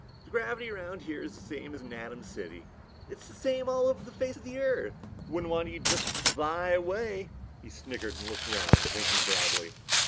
"The gravity around here is the same as in Atom City. It's the same all over the face of the Earth. Wouldn't want you to just fly away." He snickered and looked around, winking broadly.